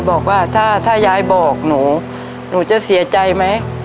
บอกว่าถ้ายายบอกหนูหนูจะเสียใจไหม